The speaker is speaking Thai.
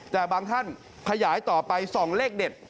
แต่บางท่านขยายต่อไปส่องเลขเด็ด